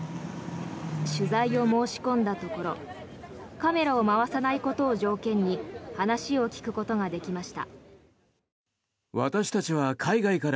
取材を申し込んだところカメラを回さないことを条件に話を聞くことができました。